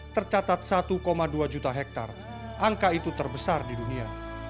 tercatat satu dua juta hektare angka itu terbesar di dunia